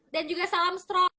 dan juga salam strong